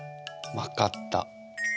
分かった。